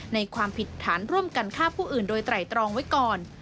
ความผิดฐานร่วมกันฆ่าผู้อื่นโดยไตรตรองไว้ก่อน